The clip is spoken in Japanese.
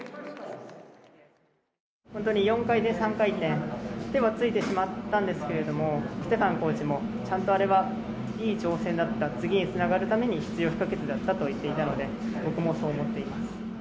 本当に４回転３回転、手はついてしまったんですけれども、ステファンコーチも、ちゃんとあれはいい挑戦だった、次につなげるために必要不可欠だったと言っていたので、僕もそう思っています。